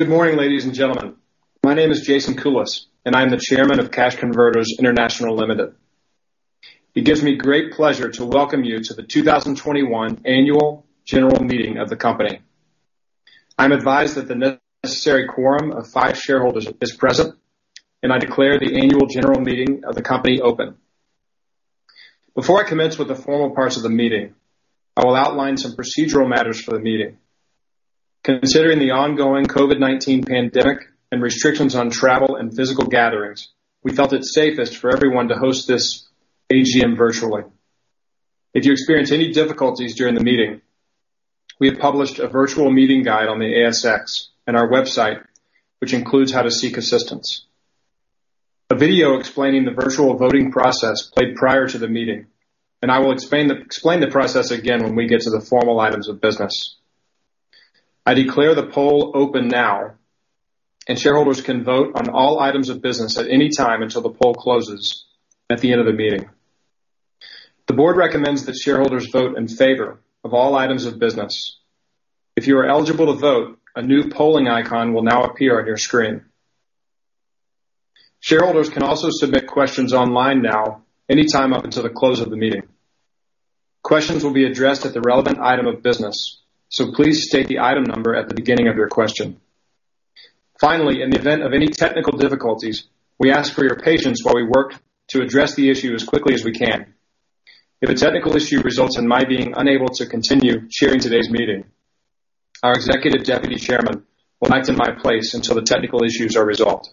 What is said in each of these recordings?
Good morning, ladies and gentlemen. My name is Jason Kulas, and I'm the Chairman of Cash Converters International Limited. It gives me great pleasure to welcome you to the 2021 annual general meeting of the company. I'm advised that the necessary quorum of five shareholders is present, and I declare the annual general meeting of the company open. Before I commence with the formal parts of the meeting, I will outline some procedural matters for the meeting. Considering the ongoing COVID-19 pandemic and restrictions on travel and physical gatherings, we felt it safest for everyone to host this AGM virtually. If you experience any difficulties during the meeting, we have published a virtual meeting guide on the ASX and our website, which includes how to seek assistance. A video explaining the virtual voting process played prior to the meeting. I will explain the process again when we get to the formal items of business. I declare the poll open now, and shareholders can vote on all items of business at any time until the poll closes at the end of the meeting. The board recommends that shareholders vote in favor of all items of business. If you are eligible to vote, a new polling icon will now appear on your screen. Shareholders can also submit questions online now any time up until the close of the meeting. Questions will be addressed at the relevant item of business, so please state the item number at the beginning of your question. Finally, in the event of any technical difficulties, we ask for your patience while we work to address the issue as quickly as we can. If a technical issue results in my being unable to continue chairing today's meeting, our Executive Deputy Chairman will act in my place until the technical issues are resolved.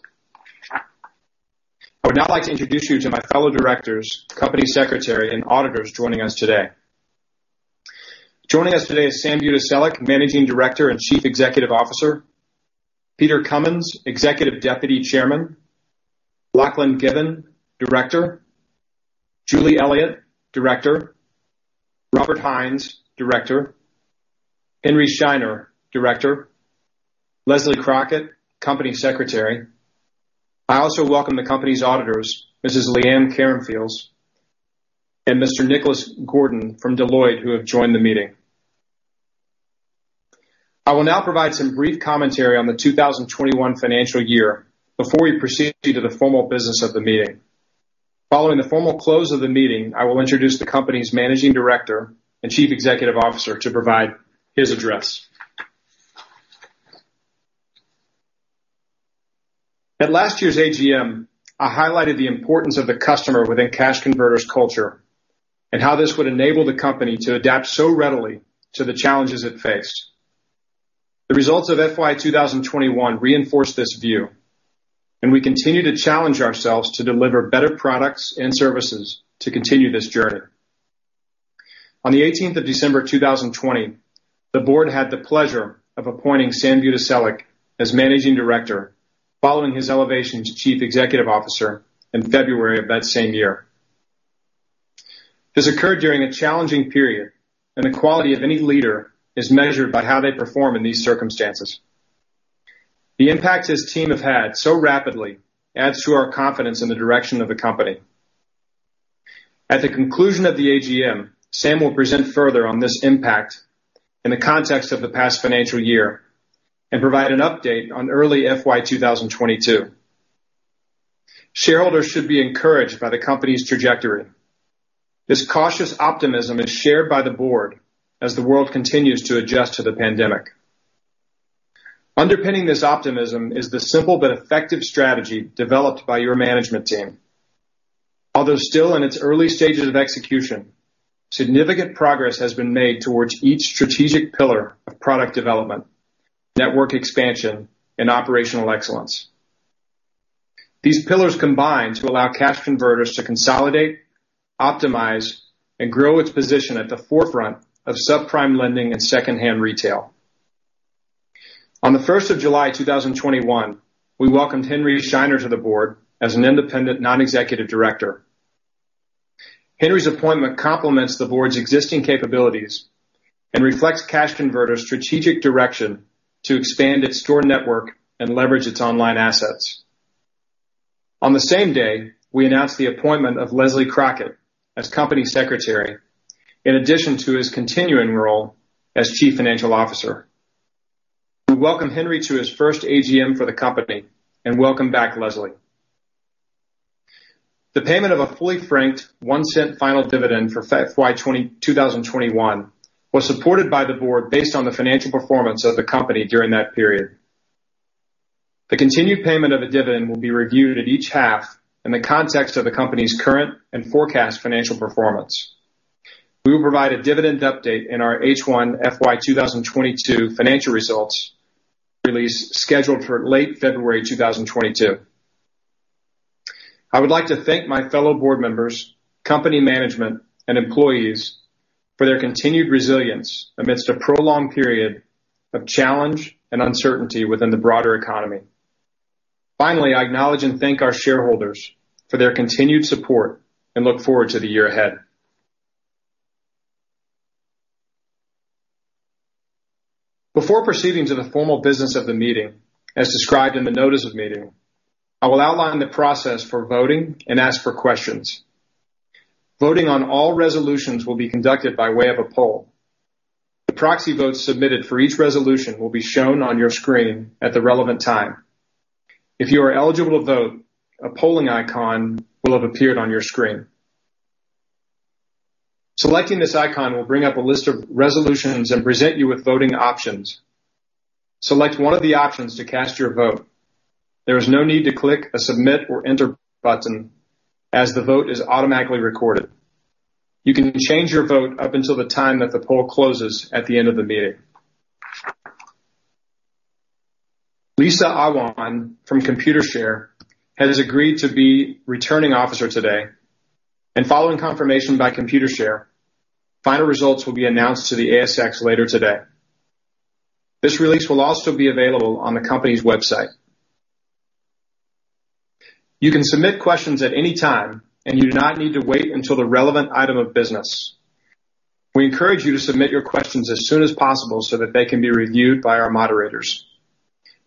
I would now like to introduce you to my fellow directors, company secretary and auditors joining us today. Joining us today is Sam Budiselik, Managing Director and Chief Executive Officer. Peter Cumins, Executive Deputy Chairman. Lachlan Given, Director. Julie Elliott, Director. Robert Hines, Director. Henry Shiner, Director. Leslie Crockett, Company Secretary. I also welcome the company's auditors, Mrs. Leanne Karamfiles and Mr. Nicholas Gordon from Deloitte, who have joined the meeting. I will now provide some brief commentary on the 2021 financial year before we proceed to the formal business of the meeting. Following the formal close of the meeting, I will introduce the company's Managing Director and Chief Executive Officer to provide his address. At last year's AGM, I highlighted the importance of the customer within Cash Converters culture and how this would enable the company to adapt so readily to the challenges it faced. The results of FY 2021 reinforce this view, and we continue to challenge ourselves to deliver better products and services to continue this journey. On the 18th of December 2020, the board had the pleasure of appointing Sam Budiselik as Managing Director following his elevation to Chief Executive Officer in February of that same year. This occurred during a challenging period, and the quality of any leader is measured by how they perform in these circumstances. The impact his team have had so rapidly adds to our confidence in the direction of the company. At the conclusion of the AGM, Sam will present further on this impact in the context of the past financial year and provide an update on early FY 2022. Shareholders should be encouraged by the company's trajectory. This cautious optimism is shared by the board as the world continues to adjust to the pandemic. Underpinning this optimism is the simple but effective strategy developed by your management team. Although still in its early stages of execution, significant progress has been made towards each strategic pillar of product development, network expansion, and operational excellence. These pillars combine to allow Cash Converters to consolidate, optimize, and grow its position at the forefront of subprime lending and secondhand retail. On July 1, 2021, we welcomed Henry Shiner to the board as an independent non-executive director. Henry's appointment complements the board's existing capabilities and reflects Cash Converters' strategic direction to expand its store network and leverage its online assets. On the same day, we announced the appointment of Leslie Crockett as company secretary, in addition to his continuing role as Chief Financial Officer. We welcome Henry to his first AGM for the company and welcome back Leslie. The payment of a fully franked 0.01 final dividend for FY 2021 was supported by the board based on the financial performance of the company during that period. The continued payment of the dividend will be reviewed at each half in the context of the company's current and forecast financial performance. We will provide a dividend update in our H1 FY 2022 financial results release scheduled for late February 2022. I would like to thank my fellow board members, company management, and employees for their continued resilience amidst a prolonged period of challenge and uncertainty within the broader economy. Finally, I acknowledge and thank our shareholders for their continued support and look forward to the year ahead. Before proceeding to the formal business of the meeting as described in the notice of meeting, I will outline the process for voting and ask for questions. Voting on all resolutions will be conducted by way of a poll. The proxy votes submitted for each resolution will be shown on your screen at the relevant time. If you are eligible to vote, a polling icon will have appeared on your screen. Selecting this icon will bring up a list of resolutions and present you with voting options. Select one of the options to cast your vote. There is no need to click a Submit or Enter button as the vote is automatically recorded. You can change your vote up until the time that the poll closes at the end of the meeting. Lisa Awan from Computershare has agreed to be Returning Officer today, and following confirmation by Computershare, final results will be announced to the ASX later today. This release will also be available on the company's website. You can submit questions at any time, and you do not need to wait until the relevant item of business. We encourage you to submit your questions as soon as possible so that they can be reviewed by our moderators.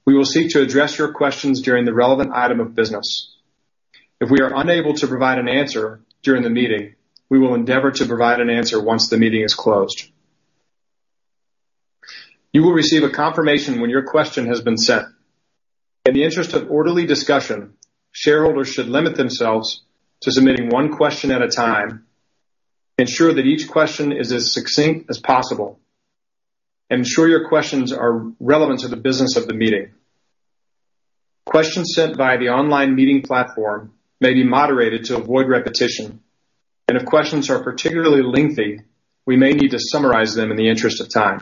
We will seek to address your questions during the relevant item of business. If we are unable to provide an answer during the meeting, we will endeavor to provide an answer once the meeting is closed. You will receive a confirmation when your question has been sent. In the interest of orderly discussion, shareholders should limit themselves to submitting one question at a time, ensure that each question is as succinct as possible, ensure your questions are relevant to the business of the meeting. Questions sent via the online meeting platform may be moderated to avoid repetition, and if questions are particularly lengthy, we may need to summarize them in the interest of time.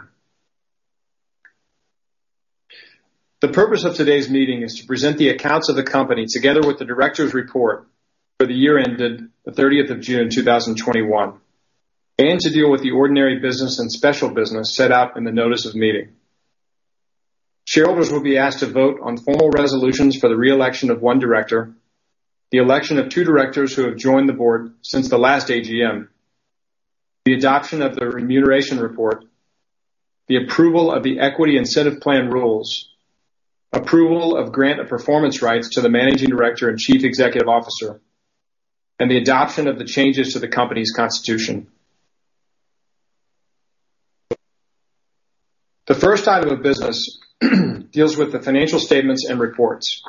The purpose of today's meeting is to present the accounts of the company, together with the director's report for the year ended the 30th of June 2021, and to deal with the ordinary business and special business set out in the notice of meeting. Shareholders will be asked to vote on formal resolutions for the re-election of one director, the election of two directors who have joined the board since the last AGM, the adoption of the Remuneration Report, the approval of the Equity Incentive Plan rules, approval of grant of Performance Rights to the Managing Director and Chief Executive Officer, and the adoption of the changes to the company's constitution. The first item of business deals with the financial statements and reports.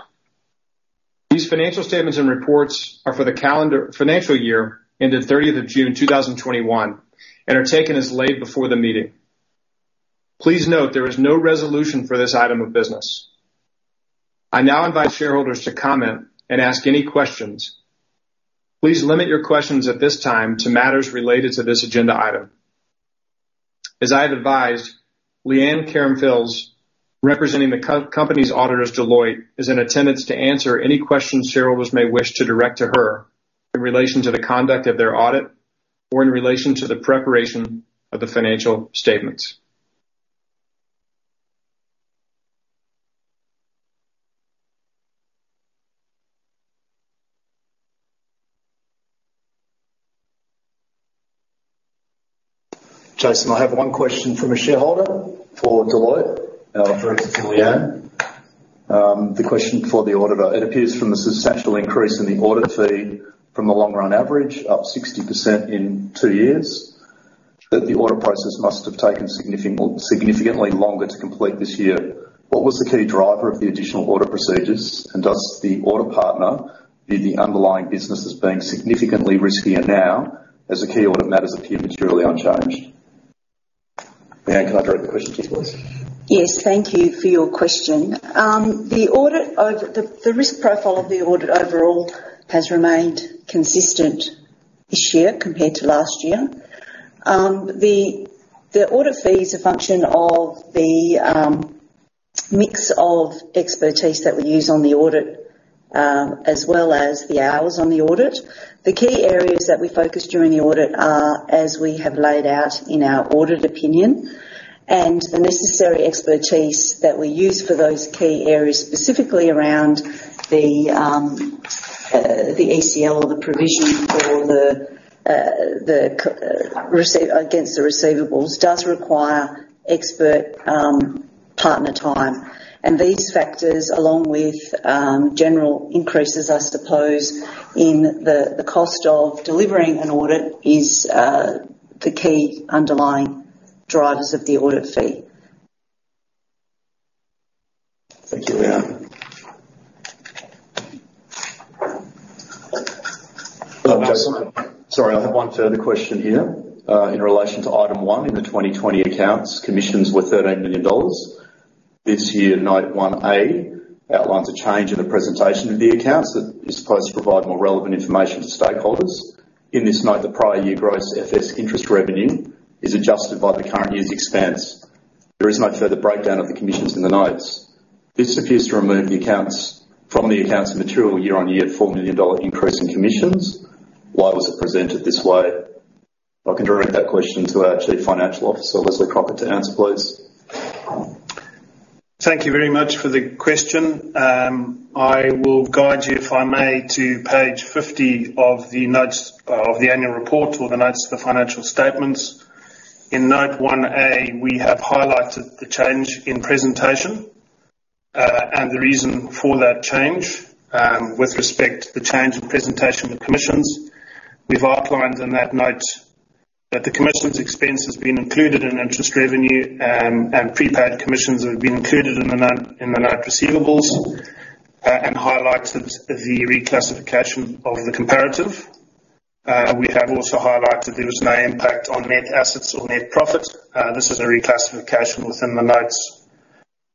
These financial statements and reports are for the financial year ended 30 June 2021, and are taken as read and laid before the meeting. Please note there is no resolution for this item of business. I now invite shareholders to comment and ask any questions. Please limit your questions at this time to matters related to this agenda item. As I have advised, Leanne Karamfiles, representing the company's auditors, Deloitte, is in attendance to answer any questions shareholders may wish to direct to her in relation to the conduct of their audit or in relation to the preparation of the financial statements. Jason, I have one question from a shareholder for Deloitte, referred to Leanne. The question for the auditor. It appears from the substantial increase in the audit fee from the long-run average, up 60% in two years, that the audit process must have taken significantly longer to complete this year. What was the key driver of the additional audit procedures, and does the audit partner view the underlying business as being significantly riskier now as the key audit matters appear materially unchanged? Leanne, can I direct the question to you, please? Yes, thank you for your question. The risk profile of the audit overall has remained consistent this year compared to last year. The audit fee is a function of the mix of expertise that we use on the audit, as well as the hours on the audit. The key areas that we focus during the audit are, as we have laid out in our audit opinion, and the necessary expertise that we use for those key areas, specifically around the ECL or the provision against the receivables, does require expert partner time. These factors, along with general increases, I suppose, in the cost of delivering an audit is the key underlying drivers of the audit fee. Thank you, Leanne. Jason. Sorry, I have one further question here. In relation to item one in the 2020 accounts, commissions were 13 million dollars. This year, note one A outlines a change in the presentation of the accounts that is supposed to provide more relevant information to stakeholders. In this note, the prior year gross FS interest revenue is adjusted by the current year's expense. There is no further breakdown of the commissions in the notes. This appears to remove the commissions from the accounts materially year-on-year, a 4 million dollar increase in commissions. Why was it presented this way? I can direct that question to our Chief Financial Officer, Leslie Crockett, to answer, please. Thank you very much for the question. I will guide you, if I may, to page 50 of the notes of the annual report or the notes of the financial statements. In Note 1A, we have highlighted the change in presentation. The reason for that change, with respect to the change in presentation of the commissions, we've outlined in that note that the commissions expense has been included in interest revenue, and prepaid commissions have been included in the notes receivable, and highlighted the reclassification of the comparative. We have also highlighted there was no impact on net assets or net profits. This is a reclassification within the notes.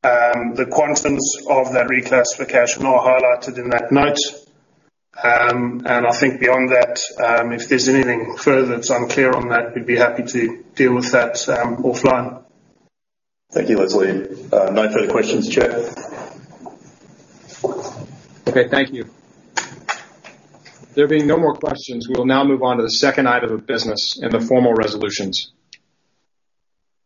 The quantums of that reclassification are highlighted in that note. I think beyond that, if there's anything further that's unclear on that, we'd be happy to deal with that, offline. Thank you, Leslie. No further questions, Chair. Okay, thank you. There being no more questions, we will now move on to the second item of business in the formal resolutions.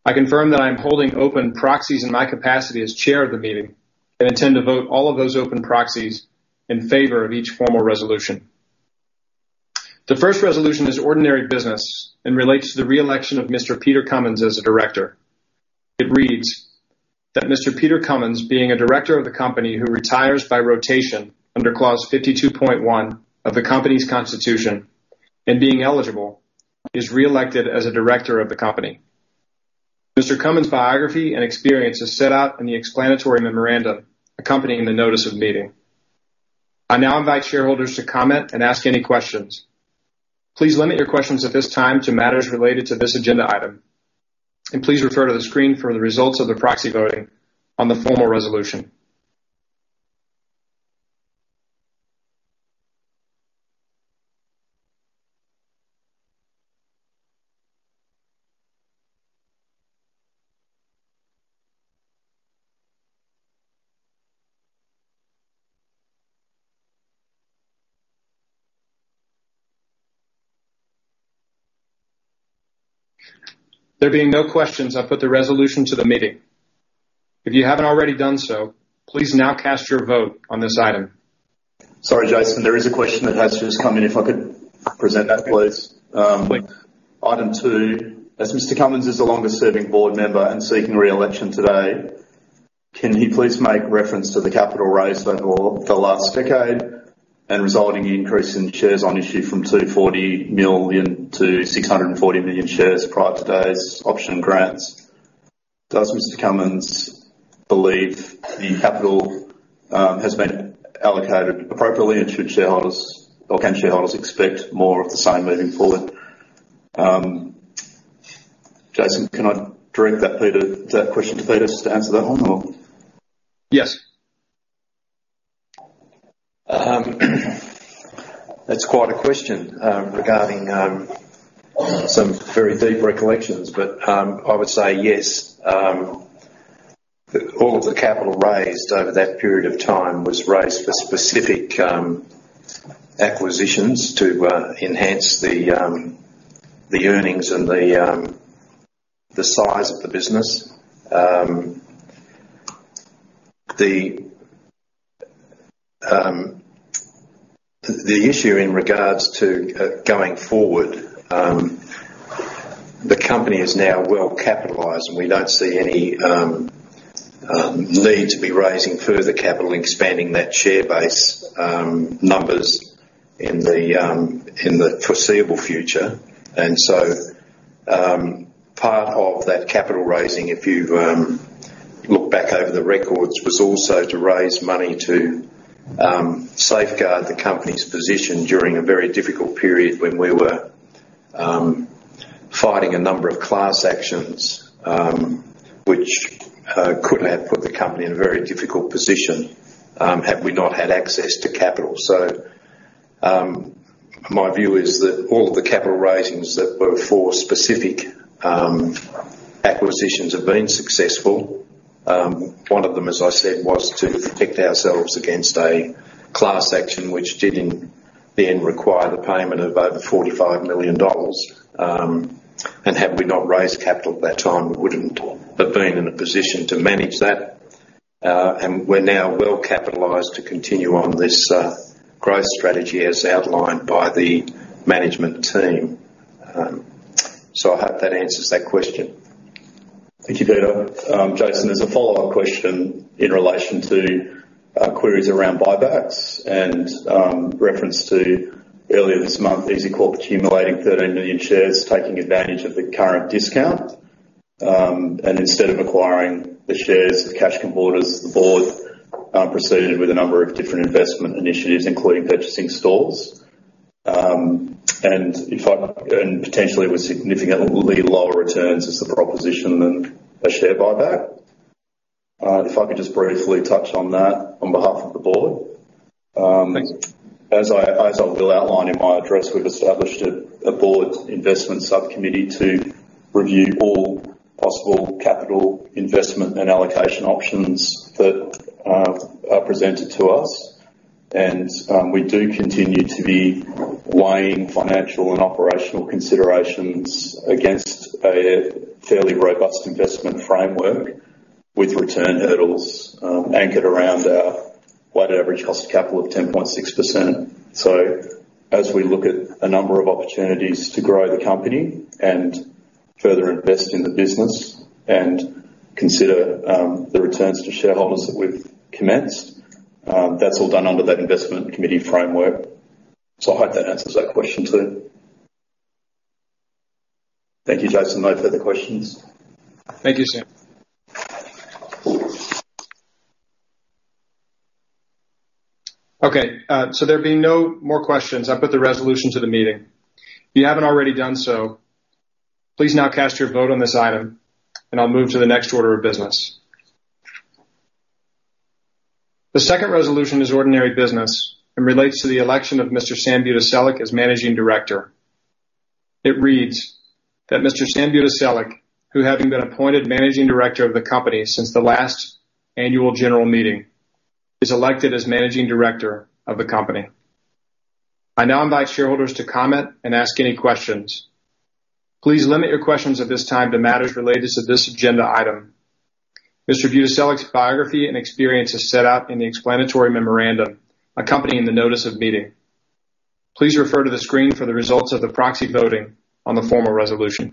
I confirm that I am holding open proxies in my capacity as chair of the meeting, and intend to vote all of those open proxies in favor of each formal resolution. The first resolution is ordinary business and relates to the re-election of Mr. Peter Cumins as a director. It reads that Mr. Peter Cumins, being a director of the company who retires by rotation under Clause 52.1 of the company's constitution and being eligible, is re-elected as a director of the company. Mr. Cumins' biography and experience is set out in the explanatory memoranda accompanying the notice of the meeting. I now invite shareholders to comment and ask any questions. Please limit your questions at this time to matters related to this agenda item. Please refer to the screen for the results of the proxy voting on the formal resolution. There being no questions, I'll put the resolution to the meeting. If you haven't already done so, please now cast your vote on this item. Sorry, Jason, there is a question that has just come in, if I could present that, please. Please. Item two. As Mr. Cummins is the longest serving board member and seeking re-election today, can he please make reference to the capital raise over the last decade and resulting increase in shares on issue from 240 million to 640 million shares prior to today's option grants? Does Mr. Cummins believe the capital has been allocated appropriately? Should shareholders or can shareholders expect more of the same moving forward? Jason, can I direct that question to Peter to answer that one or? Yes. That's quite a question regarding some very deep recollections, but I would say yes. All of the capital raised over that period of time was raised for specific acquisitions to enhance the earnings and the size of the business. The issue in regards to going forward, the company is now well capitalized, and we don't see any need to be raising further capital, expanding that share base numbers in the foreseeable future. Part of that capital raising, if you've looked back over the records, was also to raise money to safeguard the company's position during a very difficult period when we were fighting a number of class actions, which could have put the company in a very difficult position, had we not had access to capital. My view is that all of the capital raisings that were for specific acquisitions have been successful. One of them, as I said, was to protect ourselves against a class action which did in the end require the payment of over 45 million dollars. Had we not raised capital at that time, we wouldn't have been in a position to manage that. We're now well capitalized to continue on this growth strategy as outlined by the management team. I hope that answers that question. Thank you, Peter. Jason, there's a follow-up question in relation to queries around buybacks and reference to earlier this month, EZCORP accumulating 13 million shares, taking advantage of the current discount. Instead of acquiring the shares with Cash Converters, the board proceeded with a number of different investment initiatives, including purchasing stores and potentially with significantly lower returns as the proposition than a share buyback. If I could just briefly touch on that on behalf of the board. As I will outline in my address, we've established a board investment subcommittee to review all possible capital investment and allocation options that are presented to us. We do continue to be weighing financial and operational considerations against a fairly robust investment framework with return hurdles, anchored around average cost of capital of 10.6%. As we look at a number of opportunities to grow the company and further invest in the business and consider the returns to shareholders that we've commenced, that's all done under that investment committee framework. I hope that answers that question too. Thank you, Jason. No further questions. Thank you, Sam. Okay, there being no more questions, I'll put the resolution to the meeting. If you haven't already done so, please now cast your vote on this item, and I'll move to the next order of business. The second resolution is ordinary business and relates to the election of Mr. Sam Budiselik as Managing Director. It reads that Mr. Sam Budiselik, who, having been appointed Managing Director of the company since the last Annual General Meeting, is elected as Managing Director of the company. I now invite shareholders to comment and ask any questions. Please limit your questions at this time to matters related to this agenda item. Mr. Budiselik's biography and experience is set out in the Explanatory Memorandum accompanying the Notice of Meeting. Please refer to the screen for the results of the proxy voting on the formal resolution.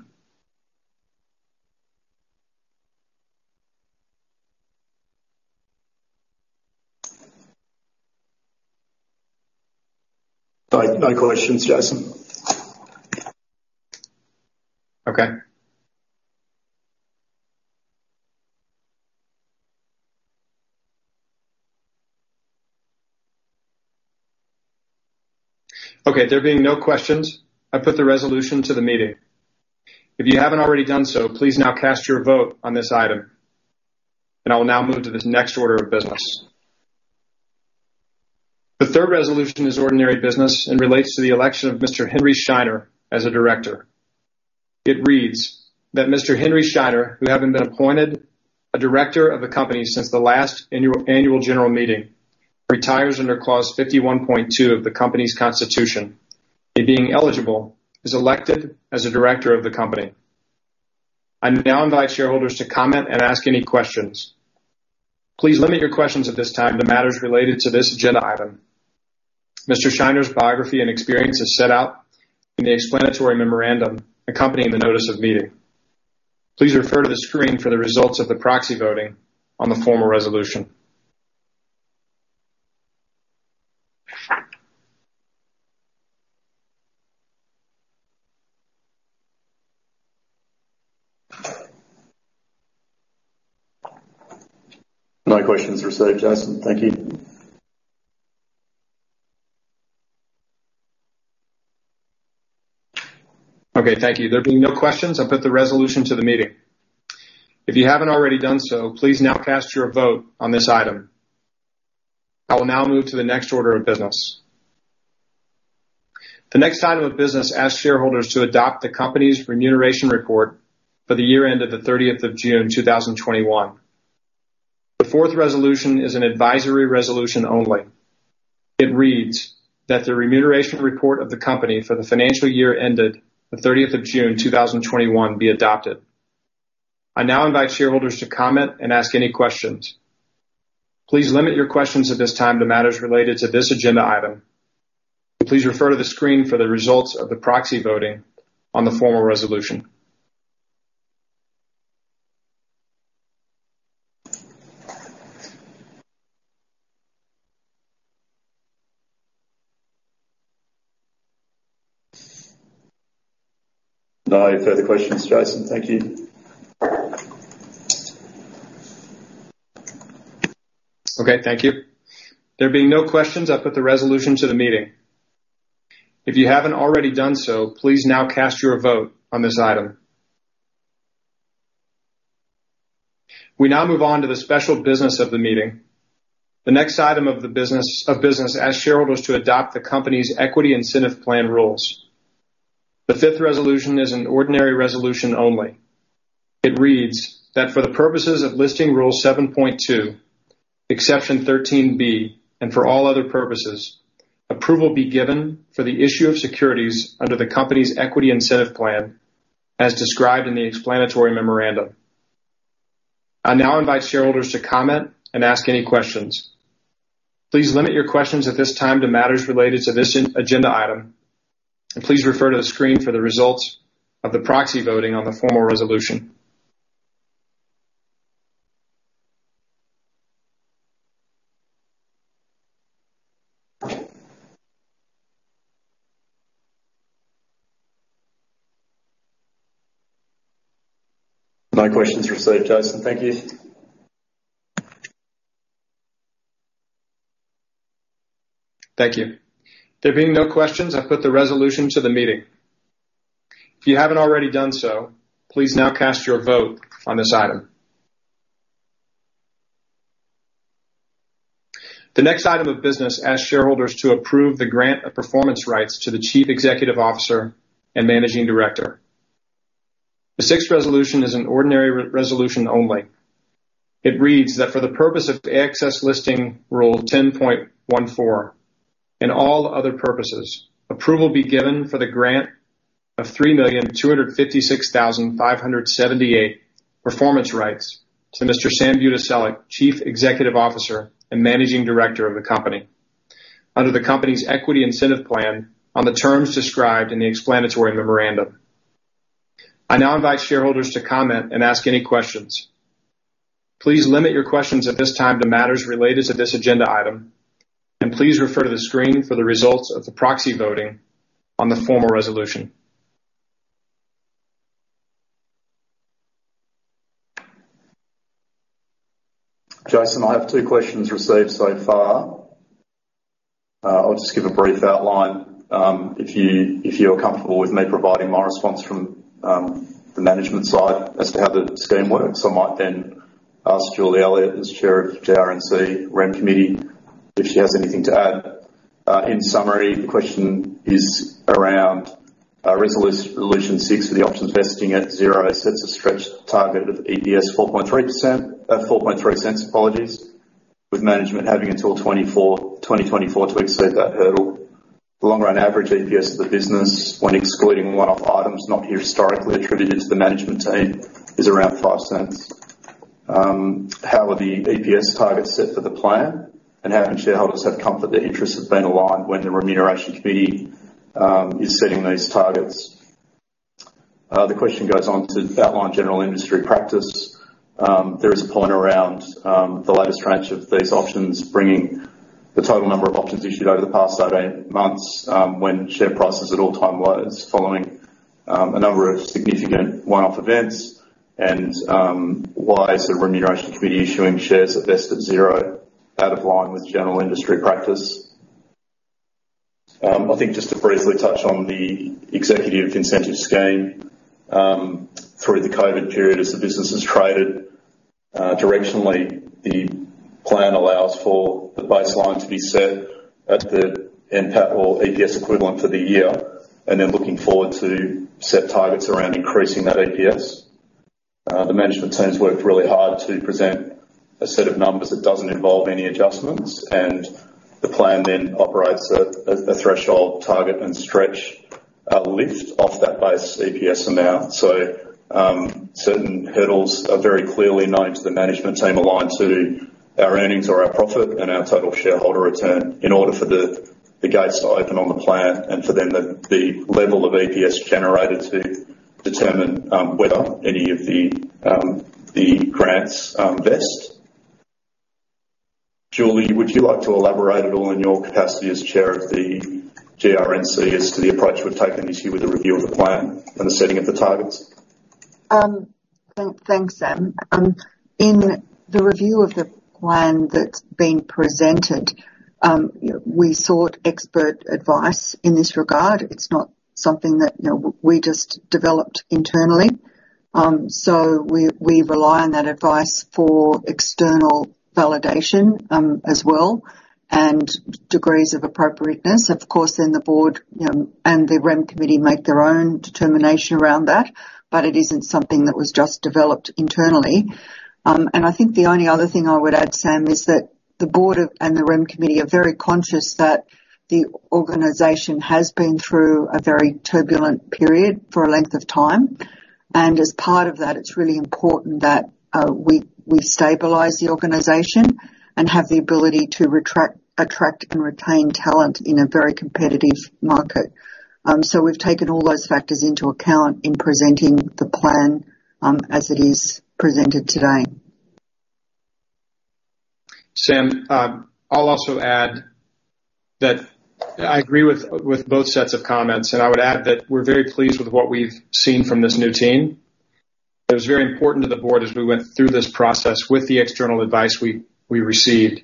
No, no questions, Jason. Okay. Okay, there being no questions, I put the resolution to the meeting. If you haven't already done so, please now cast your vote on this item, and I will now move to the next order of business. The third resolution is ordinary business and relates to the election of Mr. Henry Shiner as a director. It reads that Mr. Henry Shiner, who having been appointed a director of the company since the last annual general meeting, retires under clause 51.2 of the company's constitution, and being eligible, is elected as a director of the company. I now invite shareholders to comment and ask any questions. Please limit your questions at this time to matters related to this agenda item. Mr. Shiner's biography and experience is set out in the explanatory memorandum accompanying the notice of meeting. Please refer to the screen for the results of the proxy voting on the formal resolution. No questions received, Jason. Thank you. Okay, thank you. There being no questions, I'll put the resolution to the meeting. If you haven't already done so, please now cast your vote on this item. I will now move to the next order of business. The next item of business asks shareholders to adopt the company's remuneration report for the year end of the 30th of June, 2021. The fourth resolution is an advisory resolution only. It reads that the remuneration report of the company for the financial year ended the 30th of June, 2021, be adopted. I now invite shareholders to comment and ask any questions. Please limit your questions at this time to matters related to this agenda item. Please refer to the screen for the results of the proxy voting on the formal resolution. No further questions, Jason. Thank you. Okay, thank you. There being no questions, I'll put the resolution to the meeting. If you haven't already done so, please now cast your vote on this item. We now move on to the special business of the meeting. The next item of the business asks shareholders to adopt the company's Equity Incentive Plan rules. The fifth resolution is an ordinary resolution only. It reads that for the purposes of Listing Rule 7.2, exception 13B, and for all other purposes, approval be given for the issue of securities under the company's Equity Incentive Plan as described in the explanatory memorandum. I now invite shareholders to comment and ask any questions. Please limit your questions at this time to matters related to this agenda item, and please refer to the screen for the results of the proxy voting on the formal resolution. No questions received, Jason. Thank you. Thank you. There being no questions, I put the resolution to the meeting. If you haven't already done so, please now cast your vote on this item. The next item of business asks shareholders to approve the grant of Performance Rights to the Chief Executive Officer and Managing Director. The sixth resolution is an ordinary resolution only. It reads that for the purpose of the ASX Listing Rule 10.14. In all other purposes, approval be given for the grant of 3,256,578 Performance Rights to Mr. Sam Budiselik, Chief Executive Officer and Managing Director of the company, under the company's Equity Incentive Plan on the terms described in the explanatory memorandum. I now invite shareholders to comment and ask any questions. Please limit your questions at this time to matters related to this agenda item, and please refer to the screen for the results of the proxy voting on the formal resolution. Jason, I have 2 questions received so far. I'll just give a brief outline, if you're comfortable with me providing my response from the management side as to how the scheme works. I might then ask Julie Elliott, as Chair of Governance, Remuneration and Nomination Committee, if she has anything to add. In summary, the question is around resolution 6 for the options vesting at zero. It's a stretched target of EPS 4.3 cents, apologies, with management having until 2024 to exceed that hurdle. The longer run average EPS of the business when excluding one-off items not historically attributed to the management team is around 5 cents. How are the EPS targets set for the plan? How can shareholders have comfort that their interest has been aligned when the Remuneration Committee is setting these targets? The question goes on to outline general industry practice. There is a point around the latest tranche of these options, bringing the total number of options issued over the past eight months when share prices at all-time lows following a number of significant one-off events and why is the Remuneration Committee issuing shares at best at zero out of line with general industry practice? I think just to briefly touch on the executive incentive scheme through the COVID period as the business has traded directionally, the plan allows for the baseline to be set at the NPAT or EPS equivalent for the year, and they're looking forward to set targets around increasing that EPS. The management team's worked really hard to present a set of numbers that doesn't involve any adjustments, and the plan then operates a threshold target and stretch, a lift off that base EPS amount. Certain hurdles are very clearly known to the management team aligned to our earnings or our profit and our total shareholder return in order for the gates to open on the plan and for then the level of EPS generated to determine whether any of the grants vest. Julie, would you like to elaborate at all in your capacity as chair of the GRNC as to the approach we've taken this year with the review of the plan and the setting of the targets? Thanks, Sam. In the review of the plan that's been presented, you know, we sought expert advice in this regard. It's not something that, you know, we just developed internally. So we rely on that advice for external validation, as well, and degrees of appropriateness. Of course, then the board and the REM Committee make their own determination around that, but it isn't something that was just developed internally. I think the only other thing I would add, Sam, is that the board and the REM Committee are very conscious that the organization has been through a very turbulent period for a length of time. As part of that, it's really important that we stabilize the organization and have the ability to attract and retain talent in a very competitive market. We've taken all those factors into account in presenting the plan, as it is presented today. Sam, I'll also add that I agree with both sets of comments, and I would add that we're very pleased with what we've seen from this new team. It was very important to the board as we went through this process with the external advice we received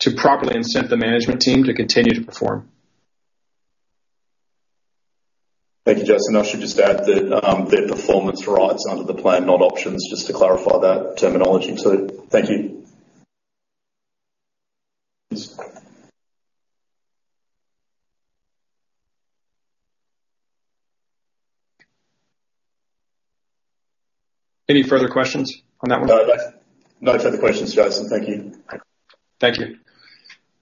to properly incent the management team to continue to perform. Thank you, Jason. I should just add that they're Performance Rights under the plan, not options, just to clarify that terminology. Thank you. Any further questions on that one? No further questions, Jason. Thank you. Thank you. If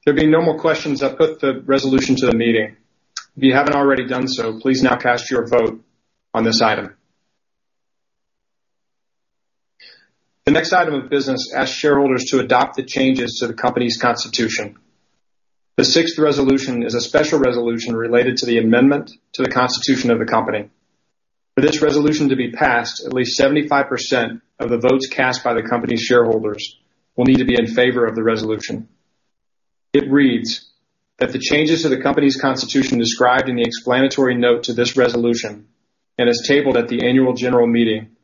there'll be no more questions, I'll put the resolution to the meeting. If you haven't already done so, please now cast your vote on this item. The next item of business asks shareholders to adopt the changes to the company's constitution. The sixth resolution is a special resolution related to the amendment to the constitution of the company. For this resolution to be passed, at least 75% of the votes cast by the company's shareholders will need to be in favor of the resolution. It reads that the changes to the company's constitution described in the explanatory note to this resolution and as tabled at the annual general meeting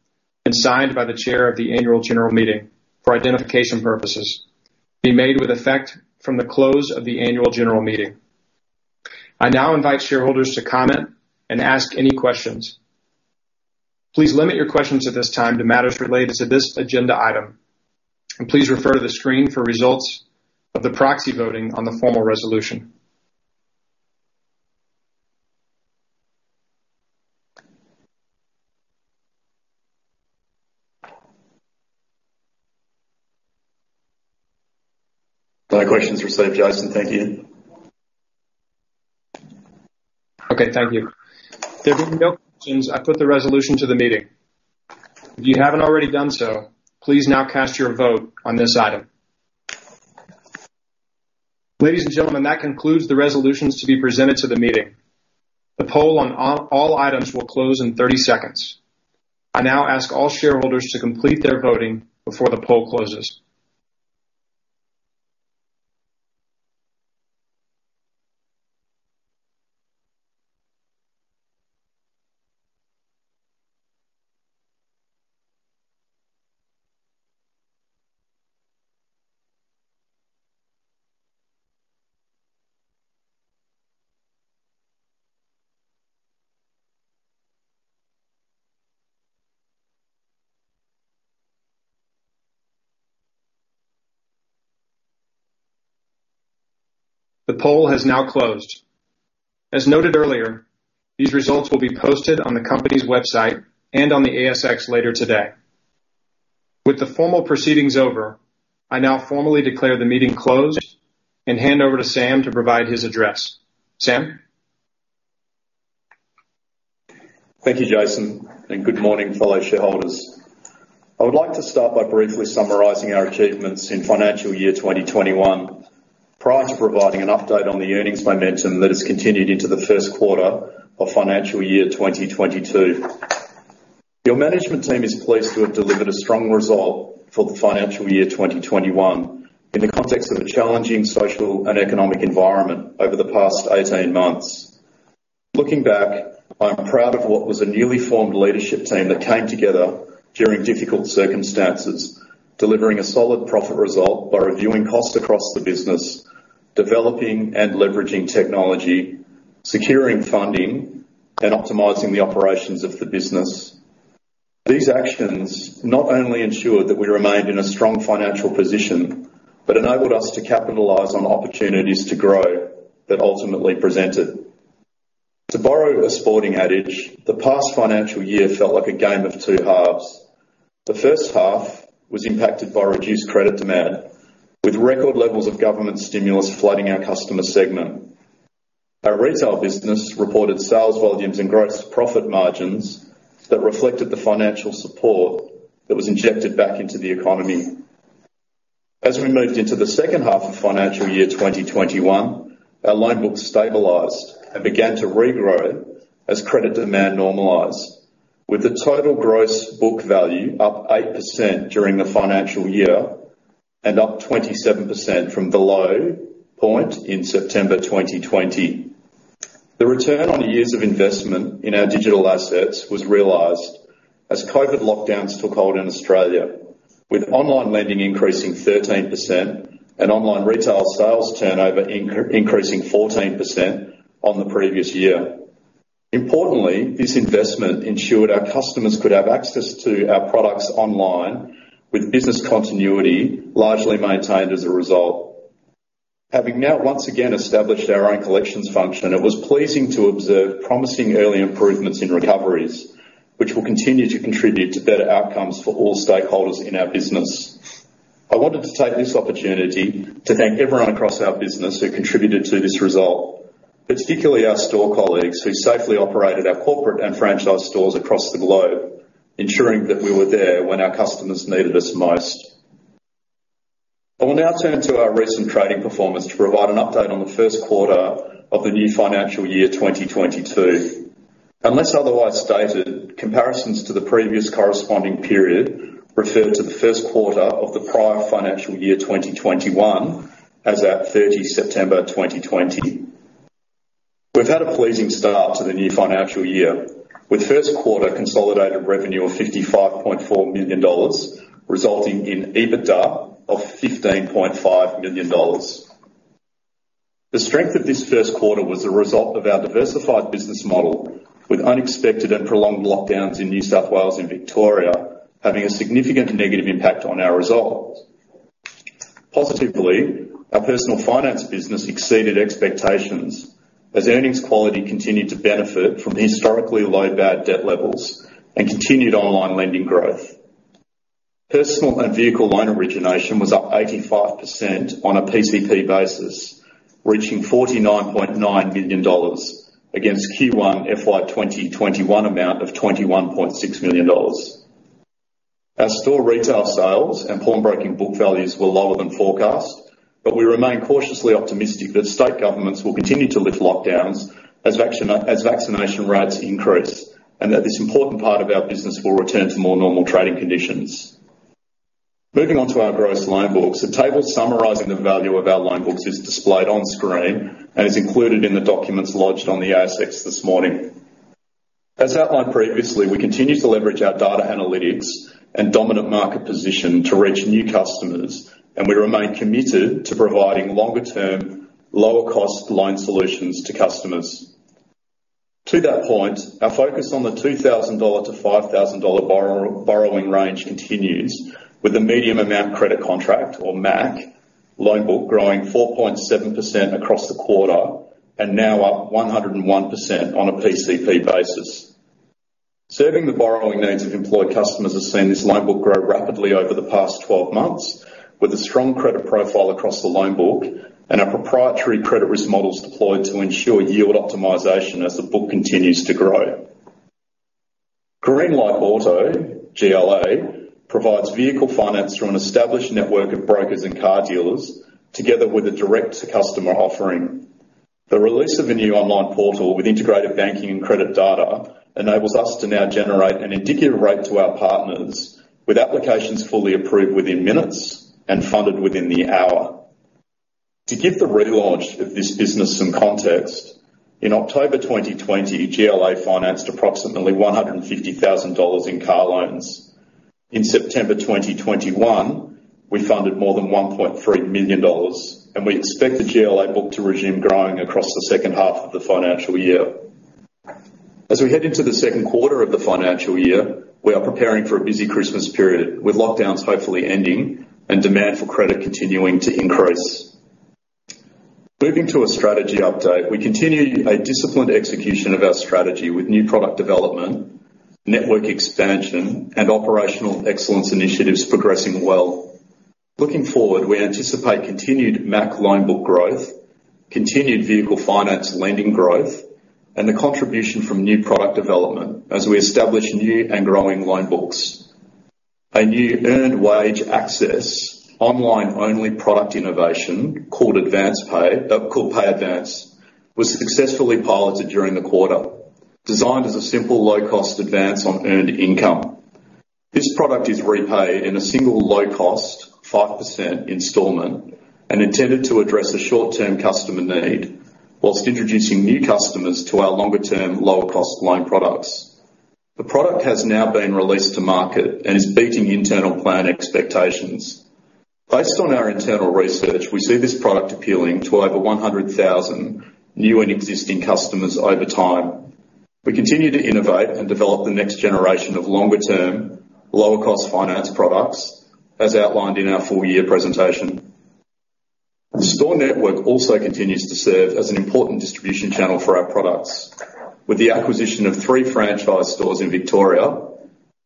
and signed by the chair of the annual general meeting for identification purposes be made with effect from the close of the annual general meeting. I now invite shareholders to comment and ask any questions. Please limit your questions at this time to matters related to this agenda item. Please refer to the screen for results of the proxy voting on the formal resolution. No questions for Sam. Jason, thank you. Okay, thank you. If there are no questions, I put the resolution to the meeting. If you haven't already done so, please now cast your vote on this item. Ladies and gentlemen, that concludes the resolutions to be presented to the meeting. The poll on all items will close in 30 seconds. I now ask all shareholders to complete their voting before the poll closes. The poll has now closed. As noted earlier, these results will be posted on the company's website and on the ASX later today. With the formal proceedings over, I now formally declare the meeting closed and hand over to Sam to provide his address. Sam? Thank you, Jason, and good morning, fellow shareholders. I would like to start by briefly summarizing our achievements in financial year 2021 prior to providing an update on the earnings momentum that has continued into the first quarter of financial year 2022. Your management team is pleased to have delivered a strong result for the financial year 2021 in the context of a challenging social and economic environment over the past 18 months. Looking back, I'm proud of what was a newly formed leadership team that came together during difficult circumstances, delivering a solid profit result by reviewing costs across the business, developing and leveraging technology, securing funding, and optimizing the operations of the business. These actions not only ensured that we remained in a strong financial position, but enabled us to capitalize on opportunities to grow that ultimately presented. To borrow a sporting adage, the past financial year felt like a game of two halves. The first half was impacted by reduced credit demand, with record levels of government stimulus flooding our customer segment. Our retail business reported sales volumes and gross profit margins that reflected the financial support that was injected back into the economy. As we moved into the second half of financial year 2021, our loan book stabilized and began to regrow as credit demand normalized. With the total gross book value up 8% during the financial year and up 27% from the low point in September 2020. The return on years of investment in our digital assets was realized as COVID lockdowns took hold in Australia, with online lending increasing 13% and online retail sales turnover increasing 14% on the previous year. Importantly, this investment ensured our customers could have access to our products online, with business continuity largely maintained as a result. Having now once again established our own collections function, it was pleasing to observe promising early improvements in recoveries, which will continue to contribute to better outcomes for all stakeholders in our business. I wanted to take this opportunity to thank everyone across our business who contributed to this result, particularly our store colleagues who safely operated our corporate and franchise stores across the globe, ensuring that we were there when our customers needed us most. I will now turn to our recent trading performance to provide an update on the first quarter of the new financial year, 2022. Unless otherwise stated, comparisons to the previous corresponding period refer to the first quarter of the prior financial year, 2021, as at 30 September 2020. We've had a pleasing start to the new financial year, with first quarter consolidated revenue of 55.4 million dollars, resulting in EBITDA of 15.5 million. The strength of this first quarter was a result of our diversified business model, with unexpected and prolonged lockdowns in New South Wales and Victoria having a significant negative impact on our results. Positively, our personal finance business exceeded expectations as earnings quality continued to benefit from historically low bad debt levels and continued online lending growth. Personal and vehicle loan origination was up 85% on a PCP basis, reaching 49.9 million dollars against Q1 FY 2021 amount of 21.6 million dollars. Our store retail sales and pawnbroking book values were lower than forecast, but we remain cautiously optimistic that state governments will continue to lift lockdowns as vaccination rates increase, and that this important part of our business will return to more normal trading conditions. Moving on to our gross loan books, a table summarizing the value of our loan books is displayed on screen and is included in the documents lodged on the ASX this morning. As outlined previously, we continue to leverage our data analytics and dominant market position to reach new customers, and we remain committed to providing longer-term, lower-cost loan solutions to customers. To that point, our focus on the 2,000-5,000 dollar borrowing range continues, with the medium amount credit contract or MAC loan book growing 4.7% across the quarter and now up 101% on a PCP basis. Serving the borrowing needs of employed customers has seen this loan book grow rapidly over the past 12 months, with a strong credit profile across the loan book and our proprietary credit risk models deployed to ensure yield optimization as the book continues to grow. Green Light Auto, GLA, provides vehicle finance through an established network of brokers and car dealers, together with a direct-to-customer offering. The release of a new online portal with integrated banking and credit data enables us to now generate an indicative rate to our partners with applications fully approved within minutes and funded within the hour. To give the relaunch of this business some context, in October 2020, GLA financed approximately 150,000 dollars in car loans. In September 2021, we funded more than 1.3 million dollars, and we expect the GLA book to resume growing across the second half of the financial year. As we head into the second quarter of the financial year, we are preparing for a busy Christmas period, with lockdowns hopefully ending and demand for credit continuing to increase. Moving to a strategy update, we continue a disciplined execution of our strategy with new product development, network expansion, and operational excellence initiatives progressing well. Looking forward, we anticipate continued MAC loan book growth, continued vehicle finance lending growth, and the contribution from new product development as we establish new and growing loan books. A new Earned Wage Access, online-only product innovation called Pay Advance was successfully piloted during the quarter, designed as a simple, low-cost advance on earned income. This product is repaid in a single low-cost, 5% installment and intended to address the short-term customer need while introducing new customers to our longer-term, lower-cost loan products. The product has now been released to market and is beating internal plan expectations. Based on our internal research, we see this product appealing to over 100,000 new and existing customers over time. We continue to innovate and develop the next generation of longer-term, lower-cost finance products, as outlined in our full year presentation. The store network also continues to serve as an important distribution channel for our products, with the acquisition of 3 franchise stores in Victoria,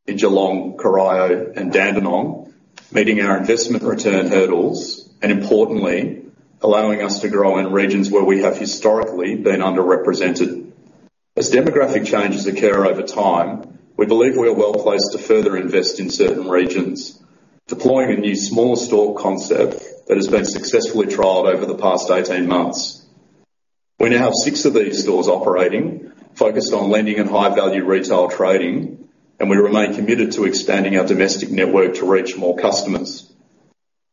in Geelong, Corio and Dandenong, meeting our investment return hurdles and importantly, allowing us to grow in regions where we have historically been underrepresented. As demographic changes occur over time, we believe we are well placed to further invest in certain regions, deploying a new smaller store concept that has beensuccessfully trialed over the past 18 months. We now have 6 of these stores operating, focused on lending and high value retail trading, and we remain committed to expanding our domestic network to reach more customers.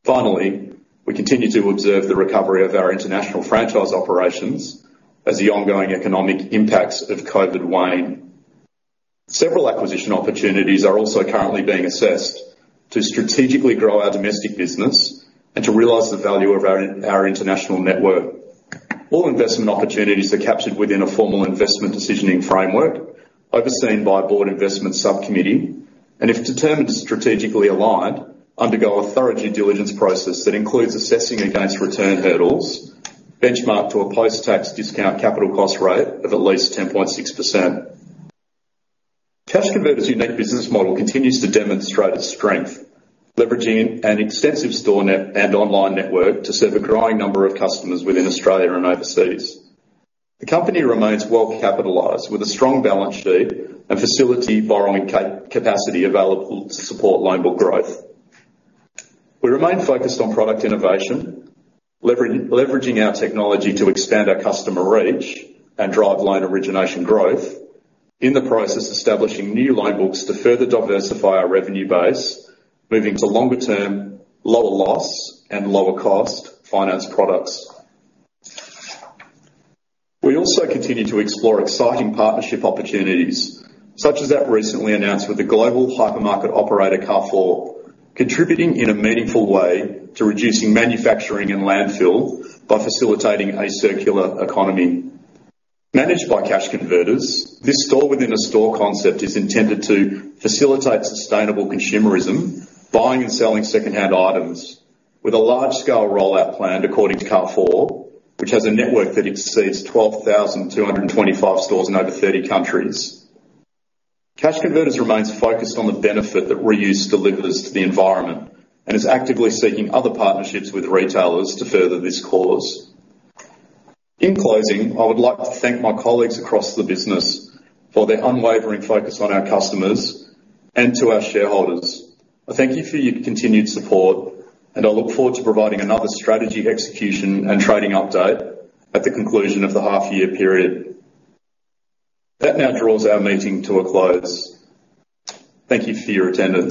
Finally, we continue to observe the recovery of our international franchise operations as the ongoing economic impacts of COVID wane. Several acquisition opportunities are also currently being assessed to strategically grow our domestic business and to realize the value of our international network. All investment opportunities are captured within a formal investment decisioning framework, overseen by a board investment subcommittee, and if determined, strategically aligned, undergo a thorough due diligence process that includes assessing against return hurdles, benchmarked to a post-tax discount capital cost rate of at least 10.6%. Cash Converters' unique business model continues to demonstrate its strength, leveraging an extensive store network and online network to serve a growing number of customers within Australia and overseas. The company remains well capitalized with a strong balance sheet and facility borrowing capacity available to support loan book growth. We remain focused on product innovation, leveraging our technology to expand our customer reach and drive loan origination growth, in the process establishing new loan books to further diversify our revenue base, moving to longer term, lower loss and lower cost finance products. We also continue to explore exciting partnership opportunities, such as that recently announced with the global hypermarket operator, Carrefour, contributing in a meaningful way to reducing manufacturing and landfill by facilitating a circular economy. Managed by Cash Converters, this store-within-a-store concept is intended to facilitate sustainable consumerism, buying and selling secondhand items with a large scale rollout planned according to Carrefour, which has a network that exceeds 12,225 stores in over 30 countries. Cash Converters remains focused on the benefit that reuse delivers to the environment and is actively seeking other partnerships with retailers to further this cause. In closing, I would like to thank my colleagues across the business for their unwavering focus on our customers and to our shareholders. I thank you for your continued support, and I look forward to providing another strategy execution and trading update at the conclusion of the half year period. That now draws our meeting to a close. Thank you for your attendance.